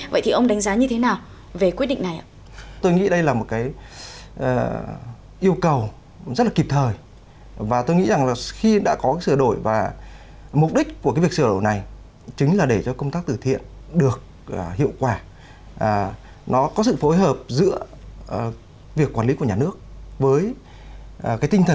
vậy thì ông đánh giá như thế nào về quyết định này